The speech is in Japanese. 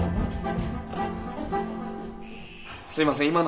すいません